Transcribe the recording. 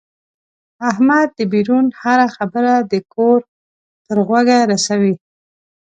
احمد دبیرون هره خبره د کور تر غوږه رسوي.